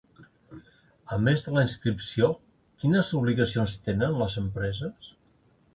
A més de la inscripció, quines obligacions tenen les empreses?